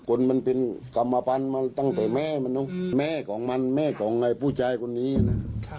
คนมันเป็นกรรมพันธ์มันตั้งแต่แม่มันแม่ของมันแม่ของไอ้ผู้ชายคนนี้นะ